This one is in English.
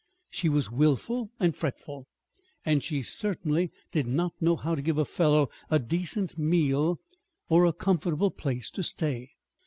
She was willful and fretful, and she certainly did not know how to give a fellow a decent meal or a comfortable place to stay.